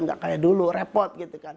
nggak kayak dulu repot gitu kan